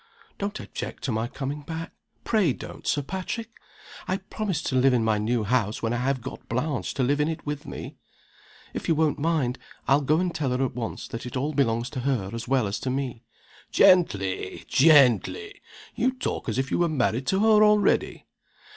"Don't object to my coming back! pray don't, Sir Patrick! I'll promise to live in my new house when I have got Blanche to live in it with me. If you won't mind, I'll go and tell her at once that it all belongs to her as well as to me." "Gently! gently! you talk as if you were married to her already!"